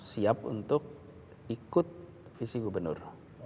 siap untuk ikut visi gubernur